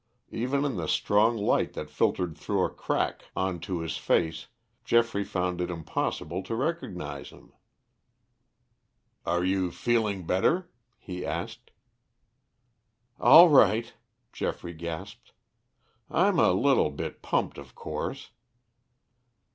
Even in the strong light that filtered through a crack on to his face Geoffrey found it impossible to recognize him. "Are you feeling better?" he asked. "All right," Geoffrey gasped. "I'm a little bit pumped, of course."